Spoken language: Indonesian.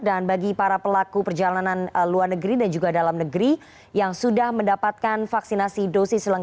dan bagi para pelaku perjalanan luar negeri dan juga dalam negeri yang sudah mendapatkan vaksinasi dosis